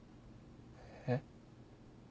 えっ？